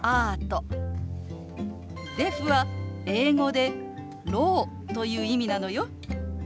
「デフ」は英語で「ろう」という意味なのよ。